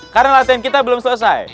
karena latihan kita belum selesai